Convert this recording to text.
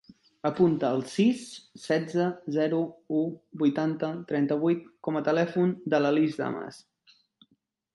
Apunta el sis, setze, zero, u, vuitanta, trenta-vuit com a telèfon de la Lis Damas.